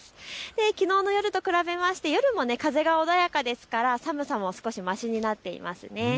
きのうの夜と比べても夜は風が穏やかで寒さも少しましになっています。